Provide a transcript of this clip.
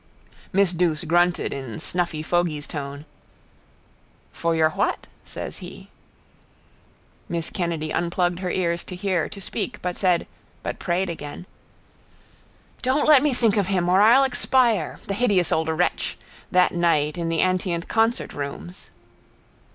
Miss Douce grunted in snuffy fogey's tone: —For your what? says he. Miss Kennedy unplugged her ears to hear, to speak: but said, but prayed again: —Don't let me think of him or I'll expire. The hideous old wretch! That night in the Antient Concert Rooms.